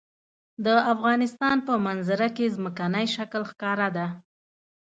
د افغانستان په منظره کې ځمکنی شکل ښکاره ده.